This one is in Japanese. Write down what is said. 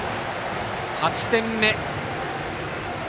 ８点目。